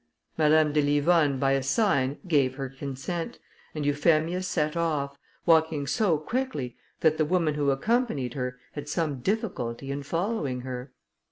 Madame de Livonne by a sign gave her consent, and Euphemia set off, walking so quickly that the woman who accompanied her had some difficulty in following her.